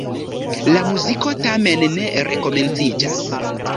La muziko tamen ne rekomenciĝas.